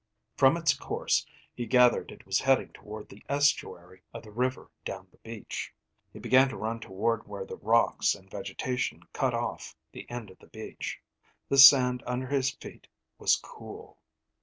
From its course, he gathered it was heading toward the estuary of the river down the beach. He began to run toward where the rocks and vegetation cut off the end of the beach. The sand under his feet was cool.